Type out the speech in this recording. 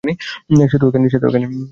সে তো এখানেই।